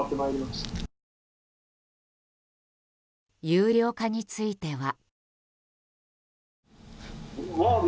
有料化については。